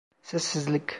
Sessizlik.